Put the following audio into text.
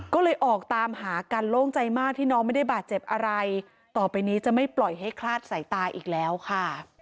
ก็เลยออกตามหากันโล่งใจมากที่น้องไม่ได้บาดเจ็บอะไรต่อไปนี้จะไม่ปล่อยให้คลาดสายตาอีกแล้วค่ะ